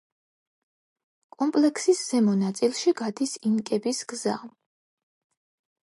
კომპლექსის ზემო ნაწილში გადის ინკების გზა.